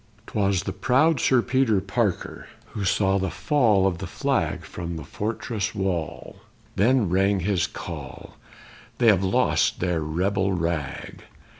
'Twas the proud Sir Peter Parker who saw the fall of the flag From the fortress wall; then rang his call: _They have lost their rebel rag!